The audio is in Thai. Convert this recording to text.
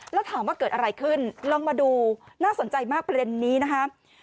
แล้วถามว่าเกิดอะไรขึ้นลองมาดูน่าสนใจมากประเด็นนี้นะครับ